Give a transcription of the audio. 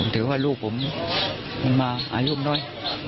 ถือว่าลูกผมมันมาอายุน้อย